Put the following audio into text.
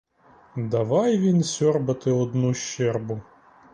Давай він сьорбати одну щербу.